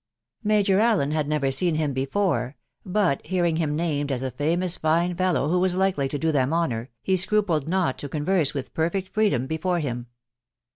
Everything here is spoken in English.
Major Allen had never seen him before ; ,but hearing him named as a famous fine fellow who .was likely ,to, do jtjea honour, he scrupled not to converse with perfect fijeeaVptjIp fore him.